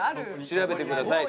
調べてください。